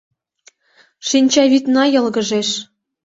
Шинчавӱдна йылгыжеш.